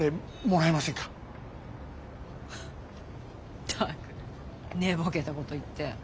フッったく寝ぼけたこと言って。